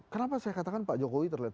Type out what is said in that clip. kenapa saya katakan pak jokowi terlihat